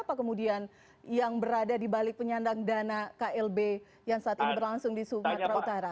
apa kemudian yang berada di balik penyandang dana klb yang saat ini berlangsung di sumatera utara